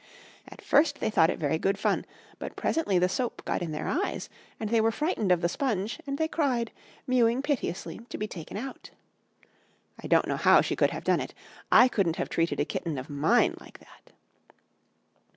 At first they thought it very good fun, but presently the soap got in their eyes and they were frightened of the sponge, and they cried, mewing piteously, to be taken out. I don't know how she could have done it, I couldn't have treated a kitten of mine like that.